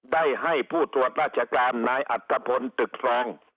ได้ให้ผู้ตรวจราชการนายอัตภพลตึกฟรอง